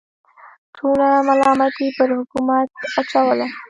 ټوله ملامتي پر حکومت اچوله.